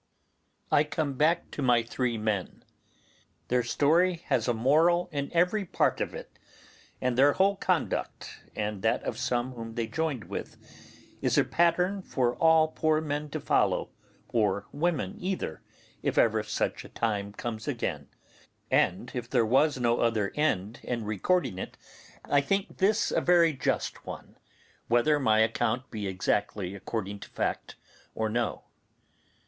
I come back to my three men. Their story has a moral in every part of it, and their whole conduct, and that of some whom they joined with, is a pattern for all poor men to follow, or women either, if ever such a time comes again; and if there was no other end in recording it, I think this a very just one, whether my account be exactly according to fact or no.